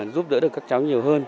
giúp đỡ được các cháu nhiều hơn